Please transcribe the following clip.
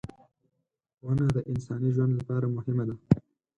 • ونه د انساني ژوند لپاره مهمه ده.